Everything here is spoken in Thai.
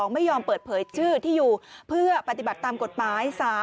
ไม่ยอมเปิดเผยชื่อที่อยู่เพื่อปฏิบัติตามกฎหมาย